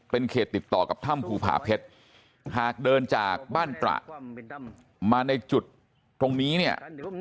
เป็นเขตติดต่อกับถ้ำภูผาเพชรหากเดินจากบ้านตระมาในจุดตรงนี้เนี่ย